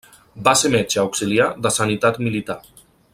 Va ser metge auxiliar de sanitat militar.